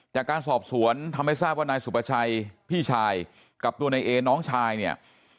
จากการสอบสวนทำให้ทราบว่านายสุประชัยพี่ชายกับตัวนายเอน้องชายเนี่ย